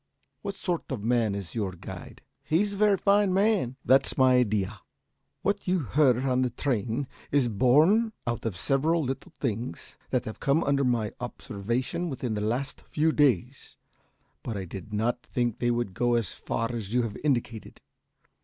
What sort of man is your guide?" "He's a very fine man " "That's my idea. What you heard on the train is borne out by several little things that have come under my observation within the last few days, but I did not think they would go as far as you have indicated.